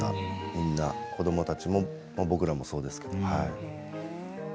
みんな子どもたちも僕らもそうですけども。